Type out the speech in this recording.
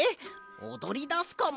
おどりだすかも。